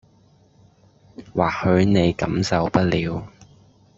或許你感受不了